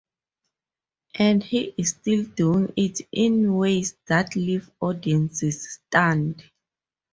And he is still doing it in ways that leave audiences stunned.